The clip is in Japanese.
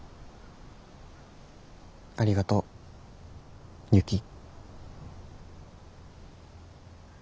ありがとうユキ。